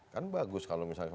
kan bagus kalau misalnya